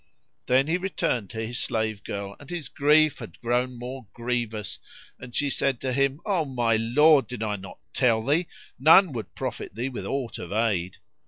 Then he returned to his slave girl and his grief had grown more grievous and she said to him, "O my lord, did I not tell thee, none would profit thee with aught of aid?"